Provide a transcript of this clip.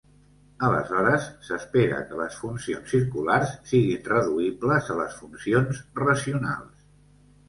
Aleshores, s'espera que les "funcions circulars" siguin reduïbles a les funcions racionals.